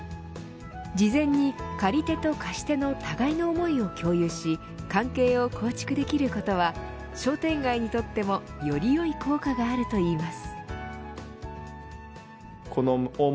事前に借り手と貸し手の互いの思いを共有し関係を構築できることは商店街にとっても、よりよい効果があるといいます。